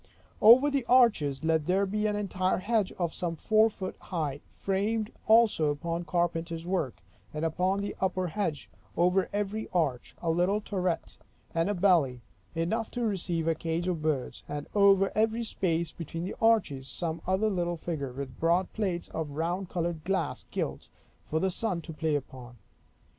Over the arches let there be an entire hedge of some four foot high, framed also upon carpenter's work; and upon the upper hedge, over every arch, a little turret, with a belly, enough to receive a cage of birds: and over every space between the arches some other little figure, with broad plates of round colored glass gilt, for the sun to play upon.